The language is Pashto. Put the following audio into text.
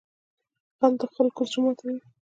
غل د خلکو زړه ماتوي